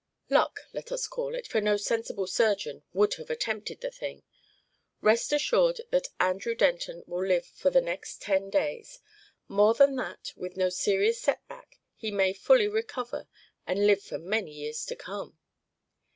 Luck, let us call it, for no sensible surgeon would have attempted the thing. Rest assured that Andrew Denton will live for the next ten days. More than that, with no serious set back he may fully recover and live for many years to come."